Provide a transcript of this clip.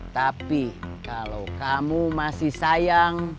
tapi kalau kamu masih sayang